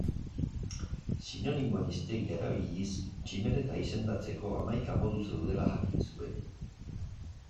Sinonimoen hiztegia erabiliz tximeleta izendatzeko hamaika modu zeudela jakin zuen.